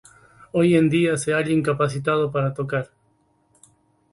Hoy en día, se halla incapacitado para tocar.